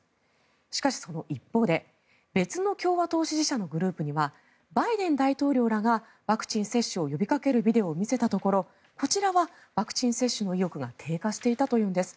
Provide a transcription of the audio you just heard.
しかし、その一方で別の共和党支持者のグループにはバイデン大統領らがワクチン接種を呼びかけるビデオを見せたところ、こちらはワクチン接種の意欲が低下していたというんです。